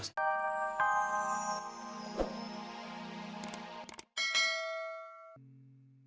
nyesel sama dia